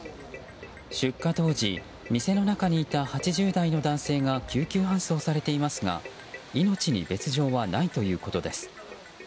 出火当時、店の中にいた８０代の男性が救急搬送されていますが命に別条はないということです。